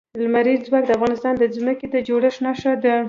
لمریز ځواک د افغانستان د ځمکې د جوړښت نښه ده.